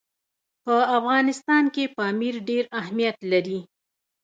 په افغانستان کې پامیر ډېر اهمیت لري.